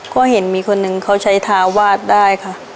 ก็เห็นมีคนนึงเขาใช้เท้าวาดได้ค่ะ